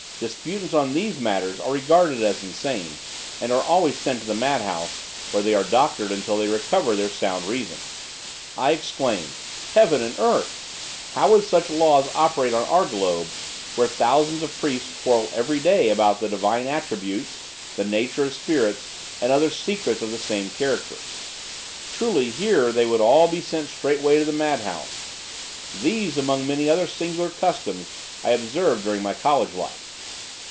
Disputants on these matters are regarded as insane, and are always sent to the mad house, where they are doctored, until they recover their sound reason. I exclaimed: Heaven and Earth! how would such laws operate on our globe, where thousands of priests quarrel every day about the divine attributes, the nature of spirits, and other secrets of the same character? Truly, here they would all be sent straight way to the mad house. These, among many other singular customs, I observed during my college life.